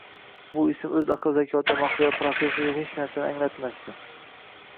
Bu ism o`z aql-zakovatiga mahliyo professorga hech narsani anglatmasdi